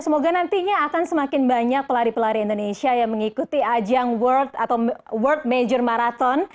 semoga nantinya akan semakin banyak pelari pelari indonesia yang mengikuti ajang world atau world major marathon